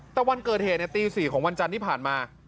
แต่วันเกิดเหตุตี๔ของวันจันทร์ที่ผ่านมา